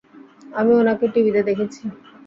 আমি উনাকে টিভিতে দেখেছি!